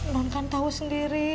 non kan tahu sendiri